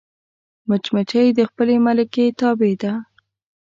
مچمچۍ د خپلې ملکې تابع ده